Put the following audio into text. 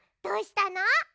どうしたの？